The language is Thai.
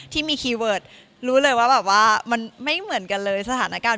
ที่มีคีย์เวิร์ดรู้เลยว่าแบบว่ามันไม่เหมือนกันเลยสถานการณ์